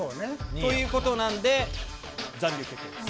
ということなんで、残留決定です。